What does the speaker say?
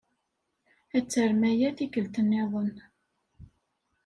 Ad tarem aya tikkelt niḍen.